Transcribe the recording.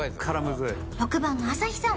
６番の朝日さん